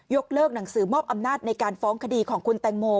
เลิกหนังสือมอบอำนาจในการฟ้องคดีของคุณแตงโม